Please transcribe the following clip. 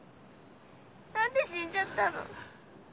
何で死んじゃったの？